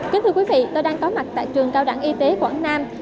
kính thưa quý vị tôi đang có mặt tại trường cao đẳng y tế quảng nam